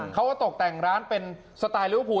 เขาก็ตกแต่งร้านเป็นสไตลลิเวอร์พูล